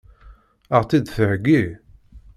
Ad ɣ-tt-id-theggi?